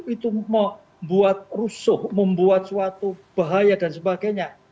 itu mau buat rusuh membuat suatu bahaya dan sebagainya